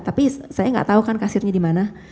tapi saya nggak tahu kan kasirnya di mana